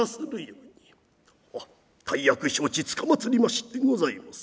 「あっ大役承知つかまつりましてございます」。